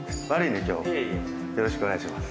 よろしくお願いします。